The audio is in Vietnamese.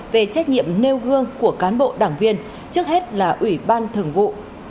về trách nhiệm nêu gương của cán bộ đảng viên trước hết là ủy ban thường vụ